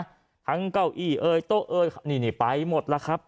ทั้งเก้าอี้เอ่ยโต๊ะเอ้ยนี่ไปหมดแล้วครับ